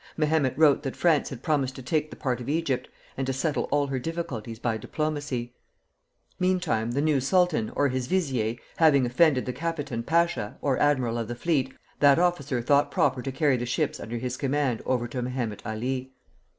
Mehemet wrote that France had promised to take the part of Egypt, and to settle all her difficulties by diplomacy. Meantime the new sultan, or his vizier, having offended the Capitan Pasha (or Admiral of the Fleet), that officer thought proper to carry the ships under his command over to Mehemet Ali.